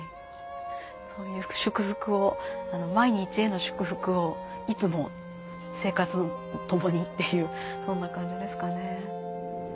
そういう祝福を毎日への祝福をいつも生活とともにっていうそんな感じですかね。